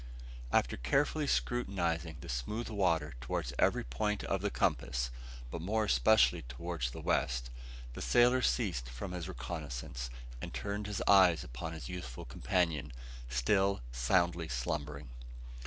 After carefully scrutinising the smooth water towards every point of the compass, but more especially towards the west, the sailor ceased from his reconnoissance, and turned his eyes upon his youthful companion, still soundly slumbering.